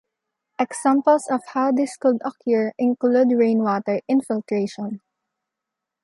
Examples of how this could occur include rain water infiltration.